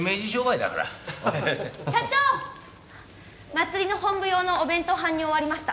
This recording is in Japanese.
祭りの本部用のお弁当搬入終わりました。